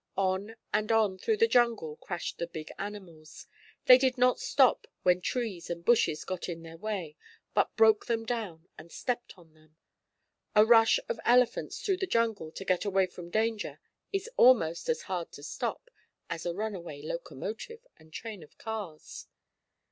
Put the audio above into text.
On and on through the jungle crashed the big animals. They did not stop when trees and bushes got in their way, but broke them down, and stepped on them. A rush of elephants through the jungle to get away from danger is almost as hard to stop as a runaway locomotive and train of cars.